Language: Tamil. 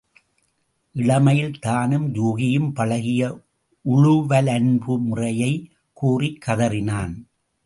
இளமையில் தானும் யூகியும் பழகிய உழுவலன்பு முறையைக் கூறிக் கதறினான்.